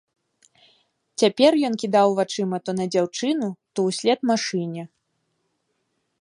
Цяпер ён кідаў вачыма то на дзяўчыну, то ўслед машыне.